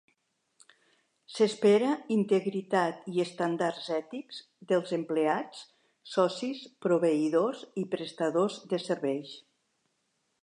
S'espera integritat i estàndards ètics dels empleats, socis, proveïdors i prestadors de serveis.